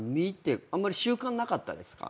あんまり習慣なかったですか？